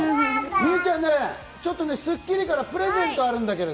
美羽ちゃん、ちょっと『スッキリ』からプレゼントがあるんだけど。